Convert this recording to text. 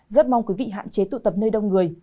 rất mong quý vị hạn chế tụ tập nơi đông người